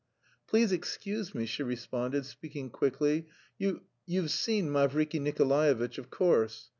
"Please excuse me," she responded, speaking quickly. "You... you've seen Mavriky Nikolaevitch of course....